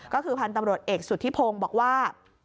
ก็คือพันธุ์ตำรวจเอกสุธิพงศ์บอกว่า